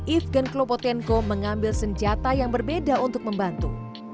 evegen klopotenko mengambil senjata yang berbeda untuk membantu